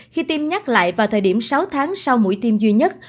khi tiêm nhắc lại vào thời điểm sáu tháng sau mũi tiêm duy nhất